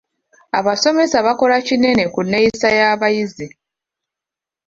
Abasomesa bakola kinene ku nneyisa y'abayizi.